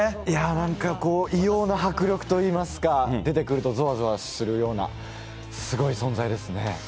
いや、なんかこう、異様な迫力といいますか、出てくるとぞわぞわするような、すごい存在ですね。